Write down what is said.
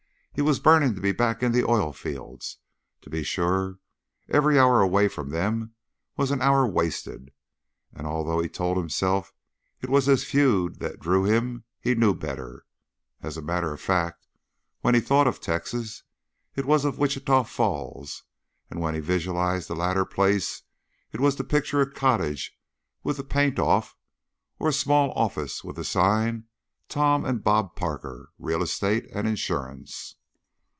He was burning to be back in the oil fields, to be sure; every hour away from them was an hour wasted, and although he told himself it was his feud that drew him, he knew better. As a matter of fact, when he thought of Texas it was of Wichita Falls, and when he visualized the latter place it was to picture a cottage with the paint off or a small office with the sign, "Tom and Bob Parker, Real Estate and Insurance."